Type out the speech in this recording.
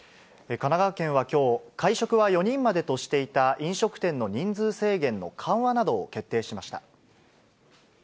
神奈川県はきょう、会食は４人までとしていた、飲食店の人数制限の緩和などを決定しました。